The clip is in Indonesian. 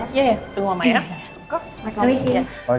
iya tunggu mbak ya